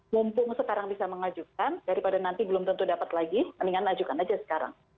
mumpung sekarang bisa mengajukan daripada nanti belum tentu dapat lagi mendingan ajukan aja sekarang